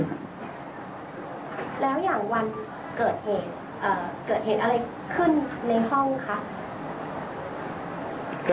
แล้วอย่างวันเกิดเหตุอะไรขึ้นในห้องครับ